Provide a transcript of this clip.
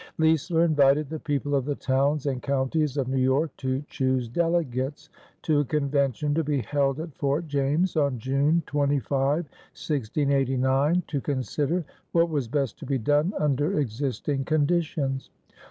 Leisler invited the people of the towns and counties of New York to choose delegates to a convention to be held at Fort James on June 25, 1689, to consider what was best to be done under existing conditions.